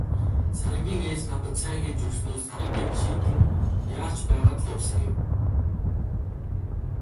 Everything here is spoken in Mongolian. Сарангийн ээж надад цай хийж өгснөө "Саран гэнэт шийдэн яарч байгаад л явсан" гэв.